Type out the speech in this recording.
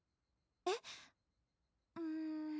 えっ？